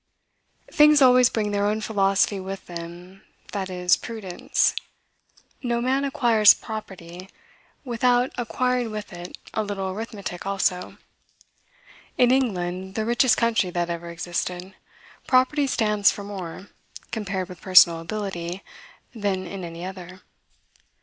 Things always bring their own philosophy with them, that is, prudence. No man acquires property without acquiring with it a little arithmetic, also. In England, the richest country that ever existed, property stands for more, compared with personal ability, than in any other.